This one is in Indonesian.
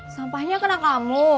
sampahnya kena kamu